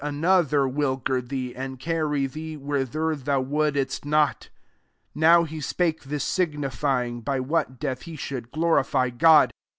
199 another will gird thee, atid car ry thee whither thou wouldst not." 19 Now he spake this, signi fying by what death he should glonfy God.